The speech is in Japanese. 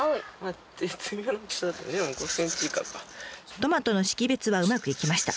トマトの識別はうまくいきました。